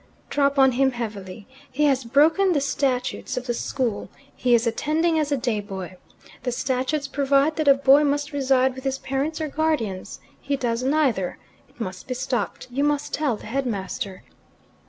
"Drop on him heavily. He has broken the statutes of the school. He is attending as a day boy. The statutes provide that a boy must reside with his parents or guardians. He does neither. It must be stopped. You must tell the headmaster."